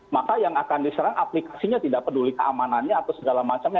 maka yang akan diserang aplikasinya tidak peduli keamanannya atau segala macamnya